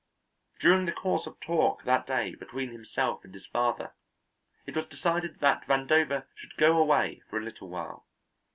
During the course of talk that day between himself and his father, it was decided that Vandover should go away for a little while.